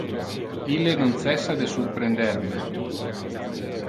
Ille non cessa de surprender me.